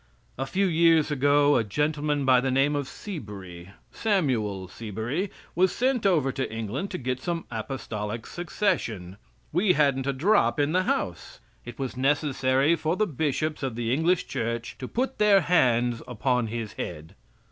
A few years ago, a gentleman by the name of Seabury, Samuel Seabury, was sent over to England to get some apostolic succession. We hadn't a drop in the house. It was necessary for the bishops of the English church to put their hands upon his head.